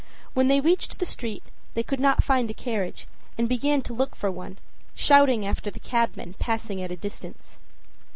When they reached the street they could not find a carriage and began to look for one, shouting after the cabmen passing at a distance.